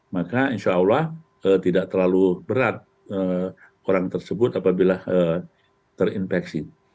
maka insya allah tidak terlalu berat orang tersebut apabila terinfeksi